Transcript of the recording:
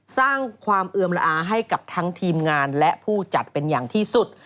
สร้างความเอือมละอาให้กับทั้งทีมงานและผู้จัดเป็นอย่างที่สุด